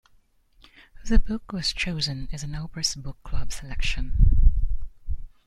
The book was chosen as an Oprah's Book Club selection.